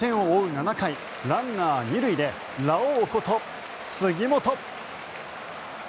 ７回ランナー２塁でラオウこと杉本。